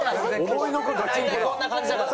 大体こんな感じだから。